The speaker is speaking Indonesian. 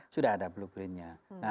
sudah ada blueprintnya